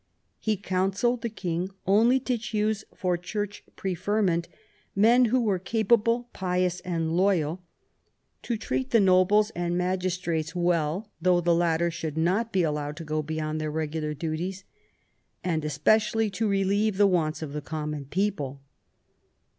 He counselled the king only to choose for church preferment men who were capable, pious, and loyal ; to treat the nobles and magistrates IX MAZARIN'S DEATH, CHARACTER, AND WORK 161 well, though the latter should not be allowed to go beyond their regular duties; and especially to relieve the wants of the common people.